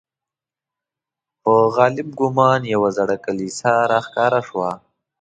په غالب ګومان یوه زړه کلیسا را ښکاره شوه.